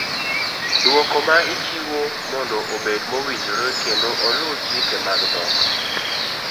Duoko ma ichiwo mondo obed mowinjore kendo olu chike mag dhok.